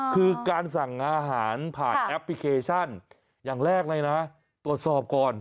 คือการสั่งอาหารผ่านแอปพลิเคชันอย่างแรกเลยนะตรวจสอบก่อน